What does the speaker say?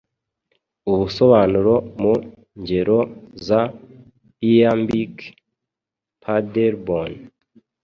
Ubusobanuro mu ngero za iambic Paderborn